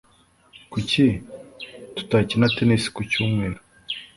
Kuki tutakina tennis ku cyumweru?